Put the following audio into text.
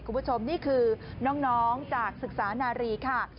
คุณผู้ชมนี่คือน้องจากศึกษานารีค่ะ